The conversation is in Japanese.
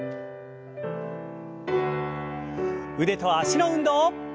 腕と脚の運動。